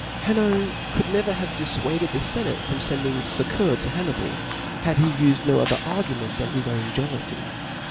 Hanno could never have difluaded the fenate from fending fuccours to Hannibal, bad he ufed no other argument than his own jealpvfy.